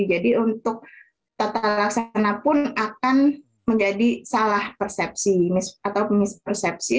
jadi untuk tata laksana pun akan menjadi salah persepsi atau mispersepsi